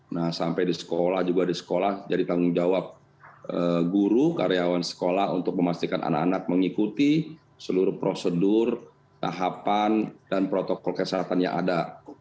nah sampai di sekolah juga di sekolah jadi tanggung jawab guru karyawan sekolah untuk memastikan anak anak mengikuti seluruh prosedur tahapan dan protokol kesehatan yang ada